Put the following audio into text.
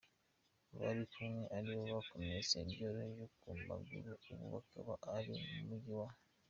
bari kumwe ari bo bakomeretse byoroheje ku maguru ubu bakaba bari mu mujyi wa.